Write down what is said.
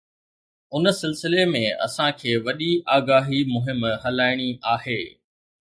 ان سلسلي ۾ اسان کي وڏي آگاهي مهم هلائڻي آهي.